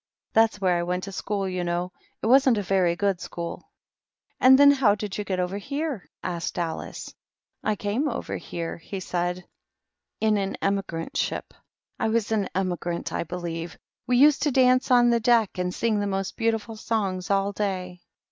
That's where I went to school, you know. It wasn't a very good school." " And then how did you get over here ?" asked Alice. " I came over here," he said, " in an emigrant ship. I was an emigrant, I believe. We used 216 THE MOCK TUBTLE. to dance on the deck, and sing the most beautiful songs aU day."